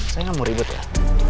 saya gak mau ribet ya